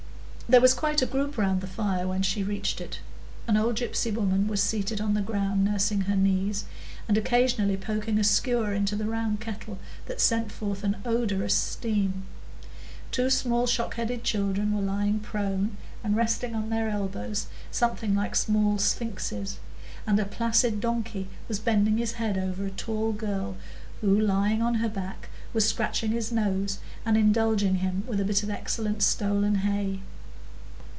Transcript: There was quite a group round the fire when she reached it. An old gypsy woman was seated on the ground nursing her knees, and occasionally poking a skewer into the round kettle that sent forth an odorous steam; two small shock headed children were lying prone and resting on their elbows something like small sphinxes; and a placid donkey was bending his head over a tall girl, who, lying on her back, was scratching his nose and indulging him with a bite of excellent stolen hay.